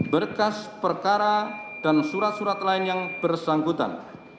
berkas perkara dan surat surat lain yang bersangkutan